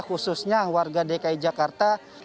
khususnya warga dki jakarta